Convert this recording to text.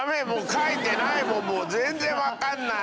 書いてないもん全然分かんない。